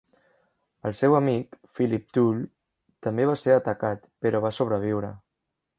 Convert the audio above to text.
El seu amic, Phillip Tull, també va ser atacat, però va sobreviure.